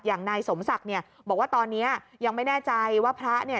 อย่างนายสมศักดิ์เนี่ยบอกว่าตอนนี้ยังไม่แน่ใจว่าพระเนี่ย